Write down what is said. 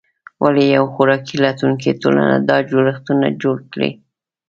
ولې یوه خوراک لټونکې ټولنه دا جوړښتونه جوړ کړي؟